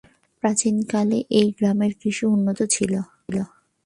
প্রাচীন কালে এই গ্রামের কৃষি উন্নতি বিখ্যাত ছিল।